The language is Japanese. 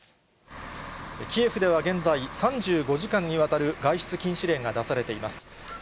キエフでは現在、３５時間にわたる外出禁止令が出されています。